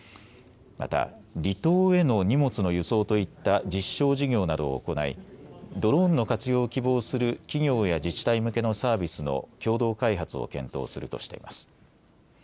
また、離島への荷物の輸送といった実証事業などを行い、ドローンの活用を希望する企業や自治体向けのサービスの共同開発を検討するとしています。